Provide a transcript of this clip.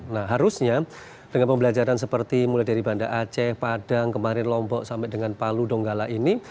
nah harusnya dengan pembelajaran seperti mulai dari bandar aceh padang kemarin lombok sampai dengan palu donggala ini